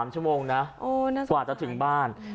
๓ชั่วโมงนะกว่าจะถึงบ้าน